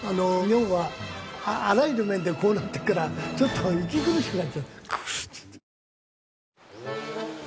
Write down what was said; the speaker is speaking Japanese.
日本はあらゆる面でこうなってるからちょっと息苦しくなっちゃってこうして。